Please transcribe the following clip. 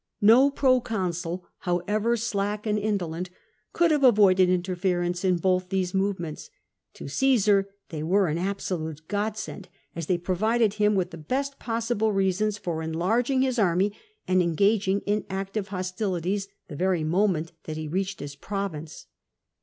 No proconsul, however slack and indolent, could have avoided interference in both these movements ; to Caesar they were an absolute godsend, as they provided him with the best possible reasons for enlarging his army and engaging in active hostilities the very moment that he reached his province.